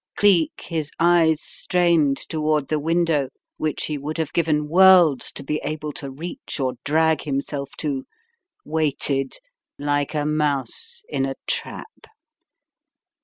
Cleek, his eyes strained toward the window which he would have given worlds to be able to reach or drag himself to, waited like a mouse in a trap.